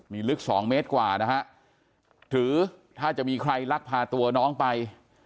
นี่ลึกสองเมตรกว่านะฮะหรือถ้าจะมีใครลักพาตัวน้องไป